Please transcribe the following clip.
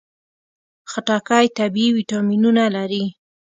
خټکی طبیعي ویټامینونه لري.